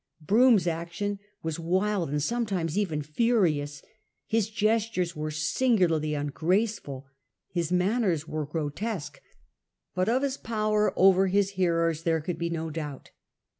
Brougham's action was wild, and some times even furious ; his gestures were singularly un graceful ; his manners were grotesque ; but of his power over his hearers there could be no doubt..